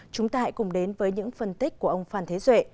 chúng ta hãy cùng đến với những phân tích của ông phan thế duệ